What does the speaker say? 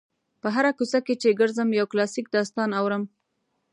په هره کوڅه کې چې ګرځم یو کلاسیک داستان اورم.